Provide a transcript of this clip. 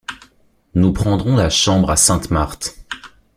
Nous prendrons la chambre à Sainte-Marthe.